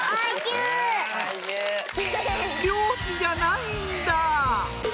漁師じゃないんだぁ！